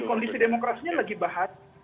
kondisi demokrasi ini lagi bahagia